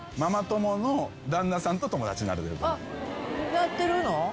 なってるの？